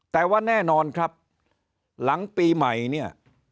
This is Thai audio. แต่ว่าแน่นอนครับหลังปีใหม่เนี่ย